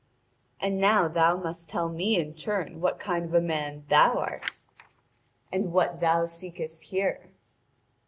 And now thou must tell me in turn what kind of a man thou art, and what thou seekest here.'